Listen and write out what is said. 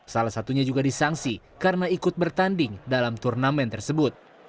salah satunya juga disangsi karena ikut bertanding dalam turnamen tersebut